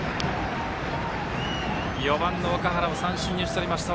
４番の岳原を三振に打ち取りました。